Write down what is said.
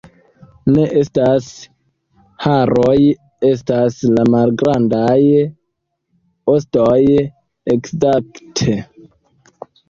Ne estas haroj... estas la malgrandaj... ostoj, ekzakte